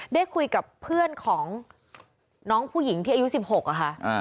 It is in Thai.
ได้คุยกับเพื่อนของน้องผู้หญิงที่อายุ๑๖อะค่ะ